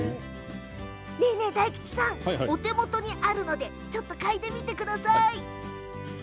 大吉さんお手元にあるのでちょっと嗅いでみてください。